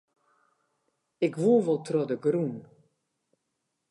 Ik woe wol troch de grûn.